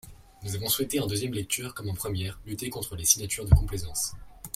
Nous avons souhaité, en deuxième lecture comme en première, lutter contre les signatures de complaisance.